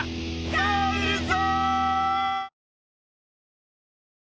帰るぞ！